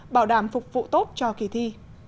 bảo đảm phục vụ tốt cho kỳ thi